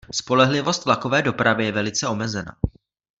Spolehlivost vlakové dopravy je velice omezená.